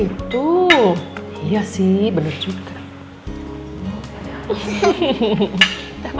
iya sih bener juga